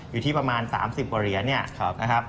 อยู่ที่ประมาณ๓๐กว่าเหรียญเนี่ยนะครับ